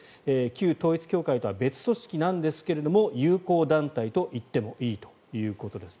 旧統一教会とは別組織なんですけれど友好団体といってもいいということです。